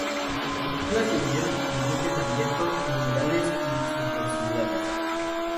Se postula que vivió en ambientes abiertos, en humedales y sus proximidades.